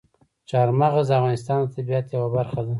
چار مغز د افغانستان د طبیعت یوه برخه ده.